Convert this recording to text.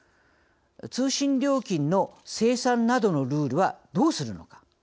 通信料金の精算などのルールはどうするのか。